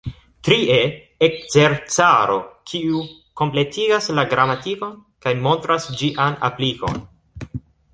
Trie, Ekzercaro, kiu kompletigas la gramatikon kaj montras ĝian aplikon.